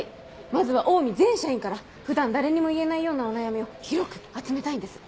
まずはオウミ全社員から普段誰にも言えないようなお悩みを広く集めたいんです。